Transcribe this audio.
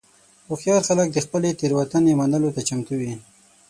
هوښیار خلک د خپلې تېروتنې منلو ته چمتو وي.